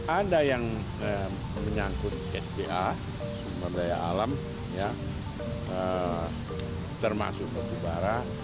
ada yang menyangkut sda sumber daya alam termasuk batu bara